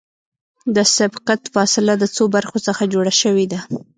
د سبقت فاصله د څو برخو څخه جوړه شوې ده